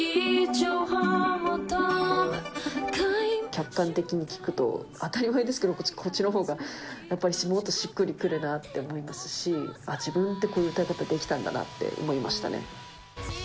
客観的に聴くと、当たり前ですけど、こっちのほうがやっぱりもっとしっくりくるなって思いますし、あっ、自分ってこういう歌い方ができたんだなって思いましたね。